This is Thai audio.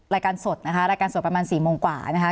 รายการสดนะคะรายการสดประมาณ๔โมงกว่านะคะ